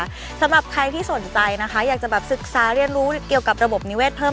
แต่สำหรับที่สนใจนะคะอยากจะศึกษาเรียนรู้เรื่องกับระบบนิเวศเปิ่มเติม